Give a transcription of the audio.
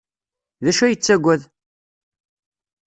D acu ay yettaggad?